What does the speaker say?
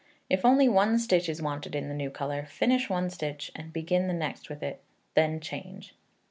If only one stitch is wanted in the new colour, finish one stitch, and begin the next with it; then change.